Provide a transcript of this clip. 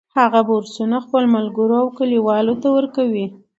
هغه بورسونه خپلو ملګرو او کلیوالو ته ورکوي